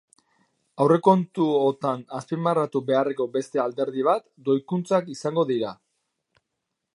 Aurrekontuotan azpimarratu beharreko beste alderdi bat doikuntzak izango dira.